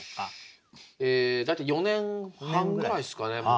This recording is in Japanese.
大体４年半ぐらいっすかねもう。